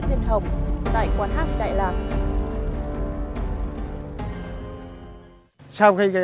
những đ flatten young